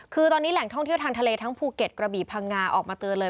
คือตอนนี้แหล่งท่องเที่ยวทางทะเลทั้งภูเก็ตกระบี่พังงาออกมาเตือนเลย